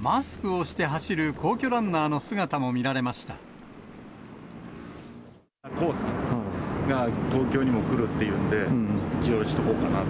マスクをして走る皇居ランナ黄砂が東京にも来るっていうんで、一応しとこうかなと。